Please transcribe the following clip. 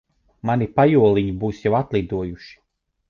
Mani pajoliņi būs jau atlidojuši.